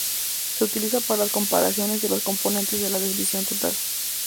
Se utiliza para las comparaciones de los componentes de la desviación total.